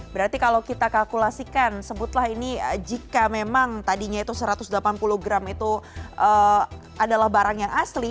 berarti kalau kita kalkulasikan sebutlah ini jika memang tadinya itu satu ratus delapan puluh gram itu adalah barang yang asli